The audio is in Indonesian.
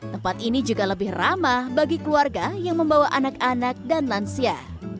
tempat ini juga lebih ramah bagi keluarga yang membawa anak anak dan lansia